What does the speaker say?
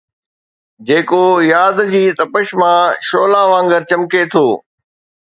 جيڪو ياد جي تپش مان شعلا وانگر چمڪي ٿو